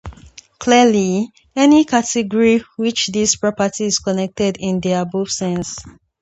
Clearly, any category which this property is connected in the above sense.